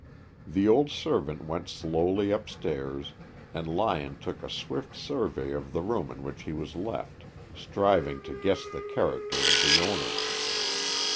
The old servant went slowly up stairs, and Lyon took a swift survey of the room in which he was left, striving to guess the character of the owners.